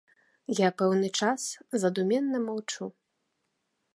Я пэўны час задуменна маўчу.